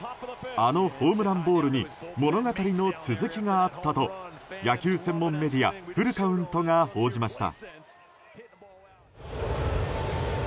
あのホームランボールに物語の続きがあったと野球専門メディアフルカウントが報じました。